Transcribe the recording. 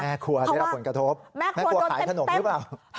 กลัวได้รับผลกระทบแม่ครัวขายขนมหรือเปล่า